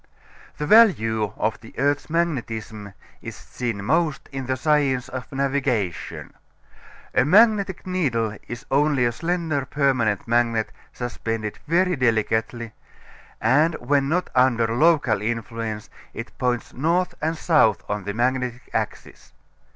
The value of the earth's magnetism is seen most in the science of navigation. A magnetic needle is only a slender permanent magnet suspended very delicately, and when not under local influence it points north and south on the magnetic axis.